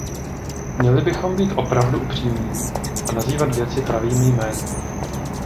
Měli bychom být opravdu upřímní a nazývat věci pravými jmény.